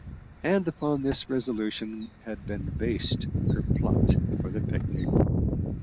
And upon this resolution had been based her plot for the picnic.